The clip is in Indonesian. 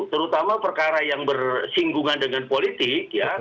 terutama perkara yang bersinggungan dengan politik ya